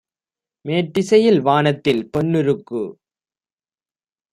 மேற்றிசையில் வானத்தில் பொன்னு ருக்கு